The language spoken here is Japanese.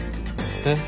えっ？